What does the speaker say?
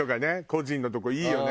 個人のとこいいよね。